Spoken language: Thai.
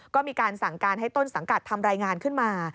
ก็มีการสั่งการให้ต้นสังกัดทำรายงานขึ้นมา